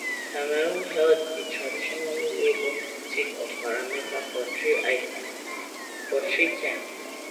Cameron held the traditionally Labor seat of Parramatta for three terms.